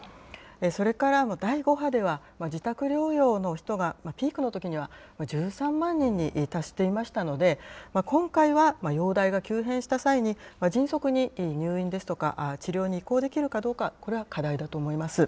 それから、第５波では自宅療養の人が、ピークのときには１３万人に達していましたので、今回は容体が急変した際に、迅速に入院ですとか治療に移行できるかどうか、これが課題だと思います。